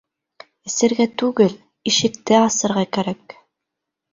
Эсергә түгел, ишекте асырға кәрәк!